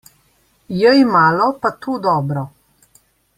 Jej malo, pa to dobro.